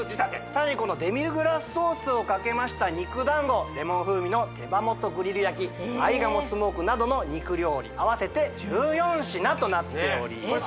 さらにこのデミグラスソースをかけました肉団子レモン風味の手羽元グリル焼き合鴨スモークなどの肉料理合わせて１４品となっております